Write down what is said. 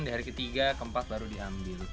di hari ke tiga ke empat baru diambil